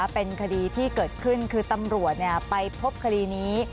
เป็นคดีที่เกิดขึ้นคือตำรวจไปพบคดีนี้